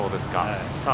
さあ